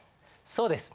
そうです。